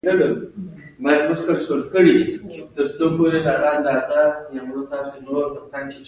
جوار ډیرې اوبه غواړي.